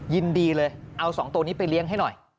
ยินดีเลยเอา๒ตัวนี้ไปเลี้ยงให้หน่อย